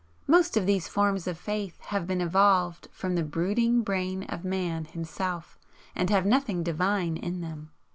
Most of these forms of faith have been evolved from the brooding brain of Man himself, and have nothing 'divine,' in them.